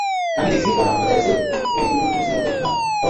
এই অঞ্চলের বার্ষিক বৃষ্টিপাতের পরিমান খুব বেশি থাকে।